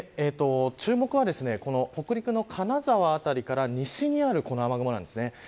注目はこの北陸の金沢辺りから西にある雨雲です。